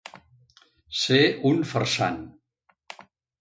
Ser un farsant.